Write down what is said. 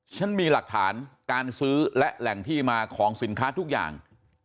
ฉันมีหลักฐานการซื้อและแหล่งที่มาของสินค้าทุกอย่าง